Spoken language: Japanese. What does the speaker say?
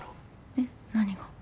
えっ？何が？